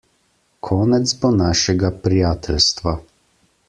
Konec bo našega prijateljstva.